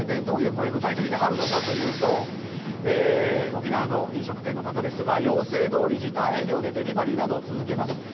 どういう声が具体的にあるかというと沖縄の飲食店の方ですが要請どおり時短営業でデリバリーなどを続けます。